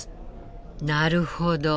なるほど。